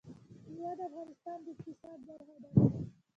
مېوې د افغانستان د اقتصاد برخه ده.